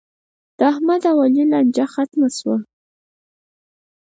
د احمد او علي لانجه ختمه شوه.